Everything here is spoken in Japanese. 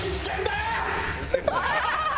ハハハハ！